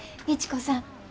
一子さん